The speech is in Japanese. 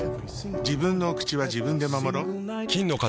自分のお口は自分で守ろっ。